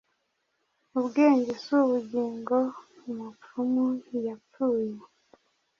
Ubwenge si ubugingo umupfumu ntiyapfuye.